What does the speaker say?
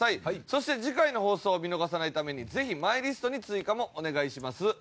そして次回の放送を見逃さないためにぜひマイリストに追加もお願いします。